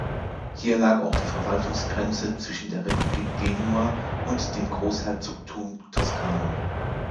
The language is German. Hier lag auch die Verwaltungsgrenze zwischen der Republik Genua und dem Großherzogtum Toskana.